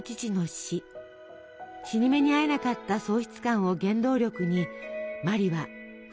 死に目に会えなかった喪失感を原動力に茉莉は筆を執ります。